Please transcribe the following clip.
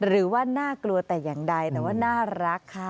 หรือว่าน่ากลัวแต่อย่างใดแต่ว่าน่ารักค่ะ